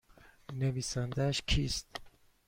نویسندهاش کیست؟